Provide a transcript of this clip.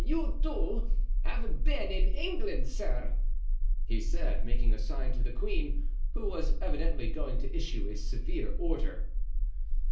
"You, too, have been in England, sir?" he said, making a sign to the queen, who was evidently going to issue a severe order.